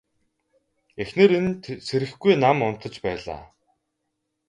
Эхнэр нь сэрэхгүй нам унтаж байлаа.